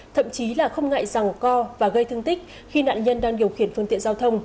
thậm chí là không ngại rằng co và gây thương tích khi nạn nhân đang điều khiển phương tiện giao thông